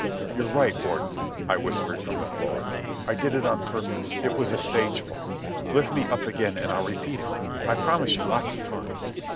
"You're right, Warden," I whispered from the floor. "I did it on purpose. It was a stage fall. Lift me up again, and I'll repeat it. I promise you lots of fun."